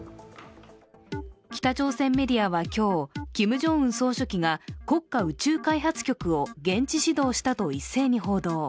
北朝鮮メディアは今日、キム・ジョンウン総書記が国家宇宙開発局を現地指導したと一斉に報道。